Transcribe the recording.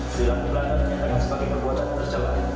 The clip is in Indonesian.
silam pelan pelan dengan sebagai perbuatan terjelang